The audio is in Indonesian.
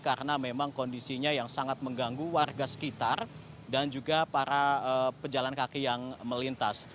karena memang kondisinya yang sangat mengganggu warga sekitar dan juga para pejalan kaki yang melintas